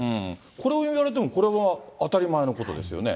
これを言われても、これは当たり前のことですよね。